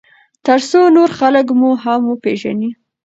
ترڅو نور خلک مو هم وپیژني.